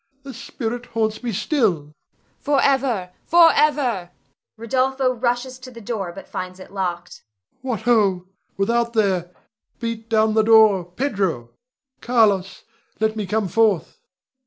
The spirit haunts me still! Voice. Forever, forever Rod. [rushes to the door but finds it locked]. What ho! without there! Beat down the door! Pedro! Carlos! let me come forth!